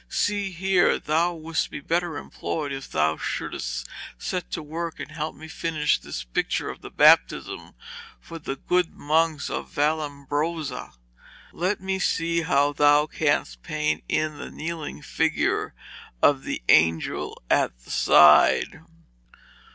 'See here, thou wouldst be better employed if thou shouldst set to work and help me finish this picture of the Baptism for the good monks of Vallambrosa. Let me see how thou canst paint in the kneeling figure of the angel at the side.'